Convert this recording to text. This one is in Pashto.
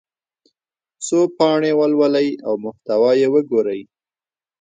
څو پاڼې ولولئ او محتوا یې وګورئ.